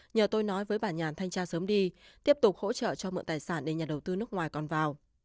nhờ tôi nói với bà nhàn thanh tra sớm đi tiếp tục hỗ trợ cho mượn tài sản để nhà đầu tư nước ngoài còn vào